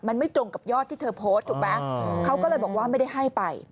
มันไม่ตรงกับยอดที่เธอโพสต์ถูกไหมเขาก็เลยบอกว่าไม่ได้ให้ไป